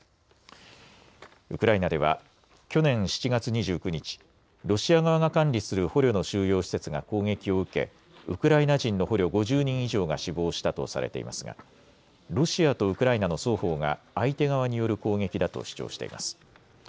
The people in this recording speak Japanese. ウクライナでは去年７月２９日、ロシア側が管理する捕虜の収容施設が攻撃を受けウクライナ人の捕虜５０人以上が死亡したとされていますがロシアとウクライナの双方が相手側による攻撃だと主張しています。